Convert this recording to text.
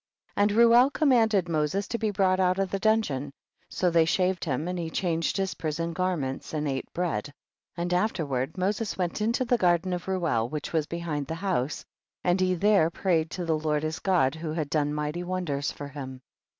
37. And Reuel commanded Mo ses to be brought out of the dungeon, so they shaved him and he changed his prison garments and ate bread. 38. And afterward Moses went in to the garden of Reuel which was behind the house, and he there pray ed to the Lord his God, who had done mightv wonders for him.